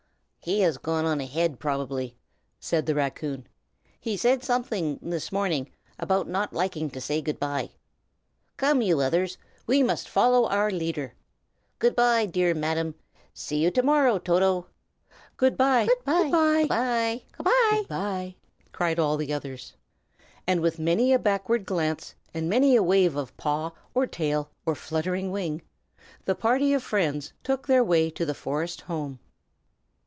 "He has gone on ahead, probably," said the raccoon; "he said something, this morning, about not liking to say good by. Come, you others, we must follow our leader. Good by, dear Madam! See you to morrow, Toto!" "Good by!" "Good by!" "Good by!" cried all the others. And with many a backward glance, and many a wave of paw, or tail, or fluttering wing, the party of friends took their way to the forest home.